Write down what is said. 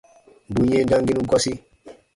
Bù yɛ̃ɛ damginu gɔsi.